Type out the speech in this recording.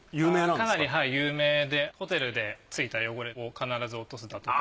かなり有名でホテルでついた汚れを必ず落とすだとか。